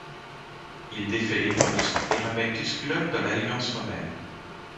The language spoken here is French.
Il défait les Volsques et ramène Tusculum dans l'alliance romaine.